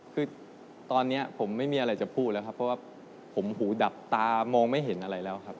คือตอนนี้ผมไม่มีอะไรจะพูดแล้วครับเพราะว่าผมหูดับตามองไม่เห็นอะไรแล้วครับ